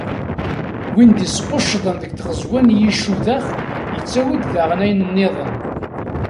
Win d-yesquccuḍen deg tẓegwa d yicudax, yettawi-d daɣen ayen-nniḍen.